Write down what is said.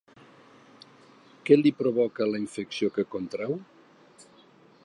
Què li provoca la infecció que contrau?